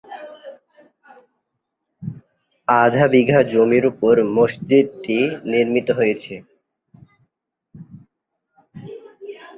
আধ বিঘা জমির উপর মসজিদটি নির্মিত হয়েছে।